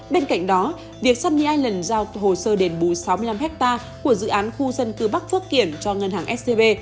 bên cạnh đó việc sunny island giao hồ sơ đền bù sáu mươi năm ha của dự án khu dân cư bắc phước kiển cho ngân hàng stb